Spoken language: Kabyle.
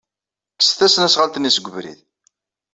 Kkset tasnasɣalt-nni seg ubrid.